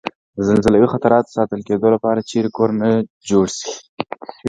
د زلزلوي خطراتو ساتل کېدو لپاره چېرې کورنه جوړ شي؟